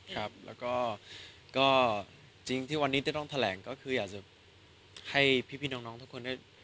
ครับแล้วก็จริงที่วันนี้จะต้องแถลงก็คืออยากจะให้พี่น้องทุกคนได้